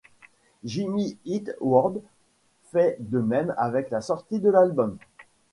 Jimmy Eat World fait de même avec la sortie de l'album '.